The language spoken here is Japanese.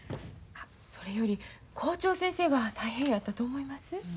それより校長先生が大変やったと思います。